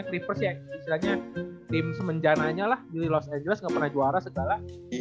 clippers ya misalnya tim semenjananya lah di los angeles gak pernah juara segala